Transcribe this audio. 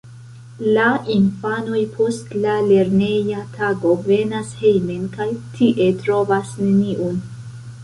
La infanoj post la lerneja tago venas hejmen kaj tie trovas neniun.